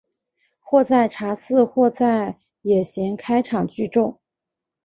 或在茶肆或在野闲开场聚众。